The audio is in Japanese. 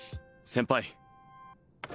先輩